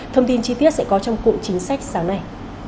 thông tin chi tiết sẽ có trong cụm chính sách sáng nay